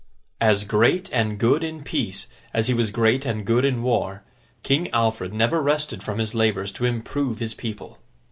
As great and good in peace, as he was great and good in war, King Alfred never rested from his labours to improve his people.